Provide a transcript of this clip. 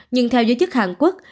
nhưng theo giới chức hàn quốc